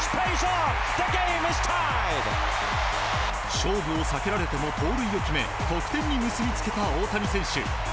勝負を避けられても盗塁を決め得点に結びつけた大谷選手。